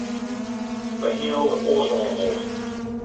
Wy hiene wol wat oars oan 'e holle.